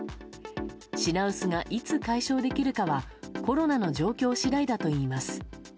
品薄がいつ解消できるかはコロナの状況次第だといいます。